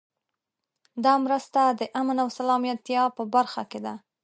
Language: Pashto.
دا مرسته د امن او سلامتیا په برخه کې ده.